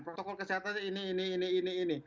protokol kesehatan ini ini ini ini